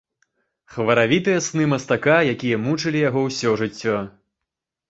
Хваравітыя сны мастака, якія мучылі яго ўсё жыццё.